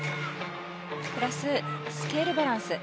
プラス、スケールバランス。